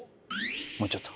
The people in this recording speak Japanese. もうちょっと。